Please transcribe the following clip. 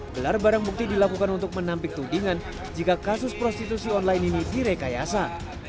gelar barang bukti dilakukan untuk menampik tudingan jika kasus prostitusi online ini direkayasa